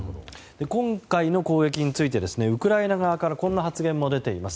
今回の攻撃についてウクライナ側からこんな発言も出ています。